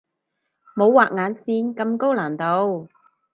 冇畫眼線咁高難度